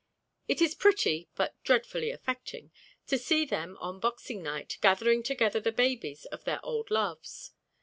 It is pretty (but dreadfully affecting) to see them on Boxing Night gathering together the babies of their old loves.